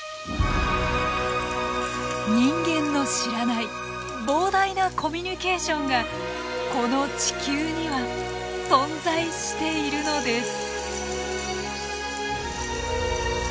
人間の知らない膨大なコミュニケーションがこの地球には存在しているのです。